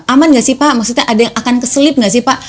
aman nggak sih pak maksudnya ada yang akan keselip nggak sih pak